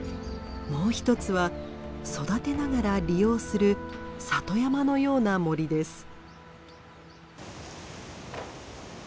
もう一つは育てながら利用する里山のような森です。